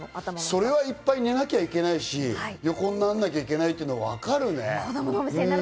そりゃいっぱい寝なきゃいけないし、横にならなきゃいけないってわかるね。